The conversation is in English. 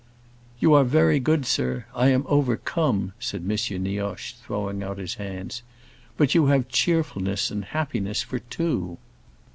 "You are very good, sir; I am overcome!" said M. Nioche, throwing out his hands. "But you have cheerfulness and happiness for two!"